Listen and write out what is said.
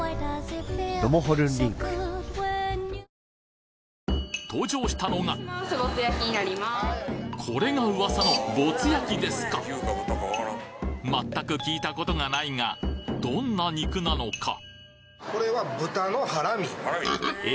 ダイハツ登場したのがこれが噂のぼつ焼ですかまったく聞いたことがないがどんな肉なのかえ？